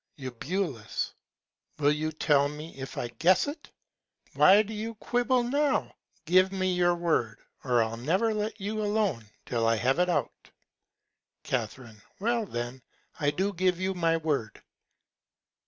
Eu. Will you tell me, if I guess it? Why do you quibble now? Give me your Word, or I'll never let you alone till I have it out. Ca. Well then, I do give you my Word.